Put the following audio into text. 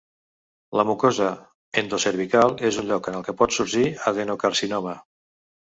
La mucosa endocervical és un lloc en el qual pot sorgir adenocarcinoma.